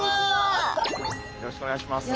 よろしくお願いします。